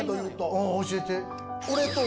うん教えて。